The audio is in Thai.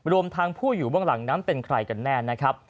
รวมทางผู้อยู่เบื้องหลังนั้นเป็นใครกันแน่นะครับ